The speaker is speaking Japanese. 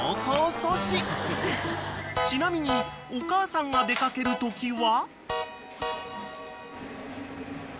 ［ちなみにお母さんが出掛けるときは］